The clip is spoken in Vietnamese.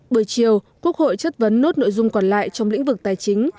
buổi chiều quốc hội chất vấn nốt nội dung còn lại trong lĩnh vực tài chính